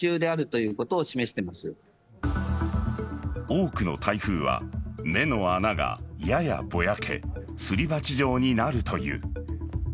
多くの台風は目の穴がややぼやけすり鉢状になるという。